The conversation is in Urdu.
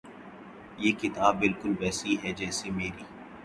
یہ کتاب بالکل ویسی ہے جیسی میری